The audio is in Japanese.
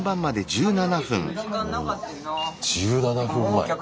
１７分前。